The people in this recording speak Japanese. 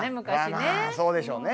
まあそうでしょうね。